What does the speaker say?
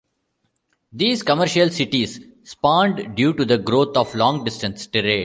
These commercial cities spawned due to the growth of long-distance trade.